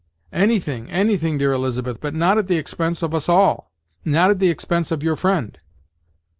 "Anything, anything, dear Elizabeth, but not at the expense of us all: not at the expense of your friend."